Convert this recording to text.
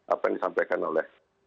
apa yang disampaikan oleh